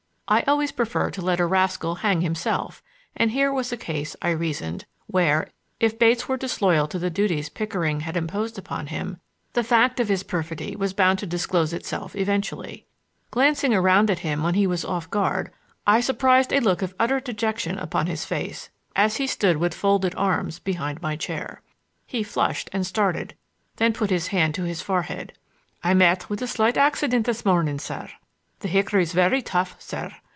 I always prefer to let a rascal hang himself, and here was a case, I reasoned, where, if Bates were disloyal to the duties Pickering had imposed upon him, the fact of his perfidy was bound to disclose itself eventually. Glancing around at him when he was off guard I surprised a look of utter dejection upon his face as he stood with folded arms behind my chair. He flushed and started, then put his hand to his forehead. "I met with a slight accident this morning, sir. The hickory's very tough, sir.